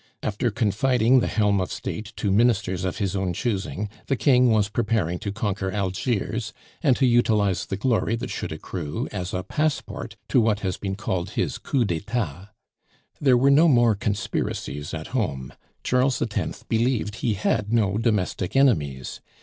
After confiding the helm of State to Ministers of his own choosing, the King was preparing to conquer Algiers, and to utilize the glory that should accrue as a passport to what has been called his Coup d'Etat. There were no more conspiracies at home; Charles X. believed he had no domestic enemies.